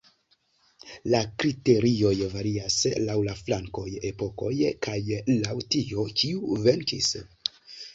La kriterioj varias laŭ la flankoj, epokoj kaj laŭ tio, kiu venkis.